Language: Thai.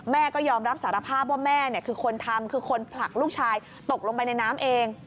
แม่ก็ยอมรับสารภาพว่าแม่คือคนทำคือคนผลักลูกชายตกลงไปในน้ำเอง